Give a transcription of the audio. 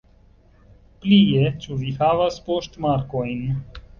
Plie, ĉu vi havas poŝtmarkojn?